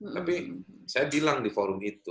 tapi saya bilang di forum itu